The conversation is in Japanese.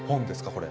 これ。